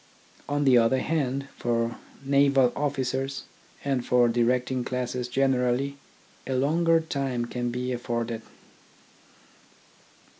On the other hand, for naval officers, and for directing classes generally, a longer time can be afforded.